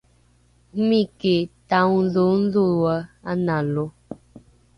omiki ta’ongdhoongdhoe analo